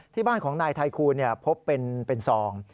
ที่บ้านของนายไทคูณพบเป็นซอง